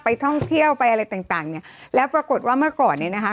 ท่องเที่ยวไปอะไรต่างต่างเนี่ยแล้วปรากฏว่าเมื่อก่อนเนี้ยนะคะ